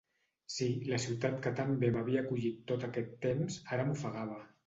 Sí, la ciutat que tan bé m'havia acollit tot aquest temps, ara m'ofegava.